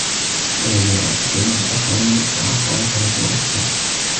الامازيغ أعطو القيمة للاخرون، فنسو انفسهم!